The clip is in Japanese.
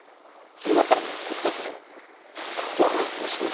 そう言われたらねこっちだってね「悪かったですね。